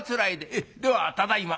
ええではただいま」。